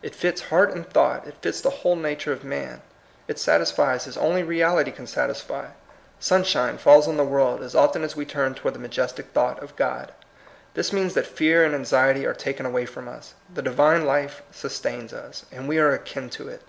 It fits heai t and thought, it fits the whole nature of man. It satisfies as only reality can satisfy. Sunshine falls on the world as often as we turn toward the majestic thought of God. This means that fear and anxiety are taken away from us. The Divine Life sustains us, and we are akin to it.